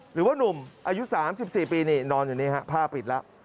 หนุ่มอายุ๓๔ปีนี่นอนอยู่นี่ฮะผ้าปิดแล้ว